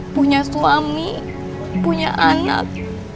punya suami punya anak